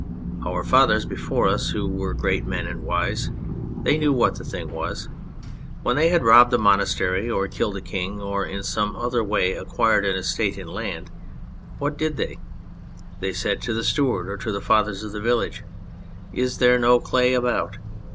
Our fathers before us, who were great men and wise they knew what the thing was. When they had robbed a monastery or killed a king, or in some other way acquired an estate in land, what did they ? They said to the steward or to the fathers of the village :" Is there no clay about?"